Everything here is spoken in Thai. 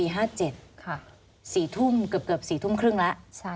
เกือบเกือบ๔ธุมครึ่งละ